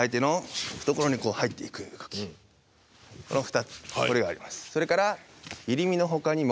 この２つこれがあります。